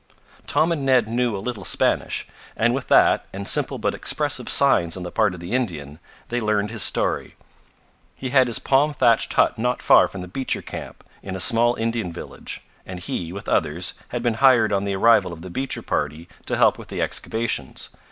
Tom and Ned knew a little Spanish, and with that, and simple but expressive signs on the part of the Indian, they learned his story. He had his palm thatched hut not far from the Beecher camp, in a small Indian village, and he, with others, had been hired on the arrival of the Beecher party to help with the excavations.